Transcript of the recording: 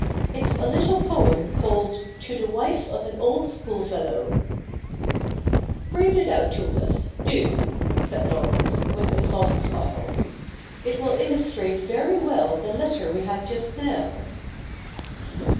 It's a little poem called " To the Wife of an old Schoolfellow''' '' Read it out to us — do,' said Laurence, with a soft smile. ' It will illustrate very well the letter we had just now.'